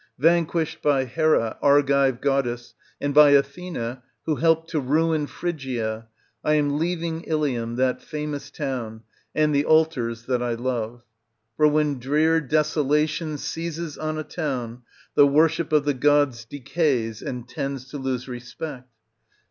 Vanquished by Hera, Argive goddess, and by Athena, who helped to ruin Phrygia, I am leaving Ilium, that famous town, and the altars that I love; for when drear desolation seizes on a town, the worship of the gods decays and tends to lose respect.